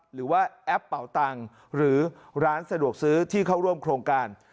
แอปเป่าตังค์หรือร้านสะดวกซื้อที่เข้าร่วมโครงการ